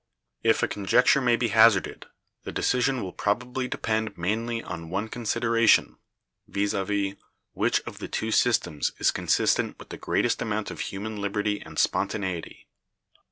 If a conjecture may be hazarded, the decision will probably depend mainly on one consideration, viz., which of the two systems is consistent with the greatest amount of human liberty and spontaneity.